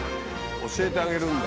教えてあげるんだ。